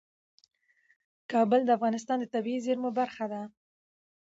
کابل د افغانستان د طبیعي زیرمو برخه ده.